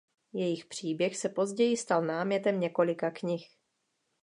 Jejich příběh se později stal námětem několika knih.